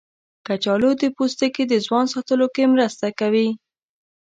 کچالو د پوستکي د ځوان ساتلو کې مرسته کوي.